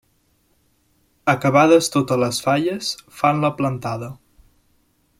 Acabades totes les falles, fan la plantada.